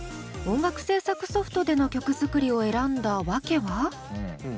音楽制作ソフトでの曲作りを選んだ訳は？